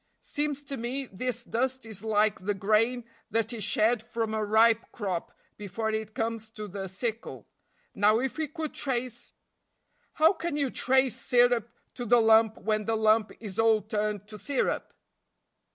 Seems to me this dust is like the grain that is shed from a ripe crop before it comes to the sickle. Now if we could trace " "How can you trace syrup to the lump when the lump is all turned to syrup?"